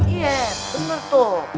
iya bener tuh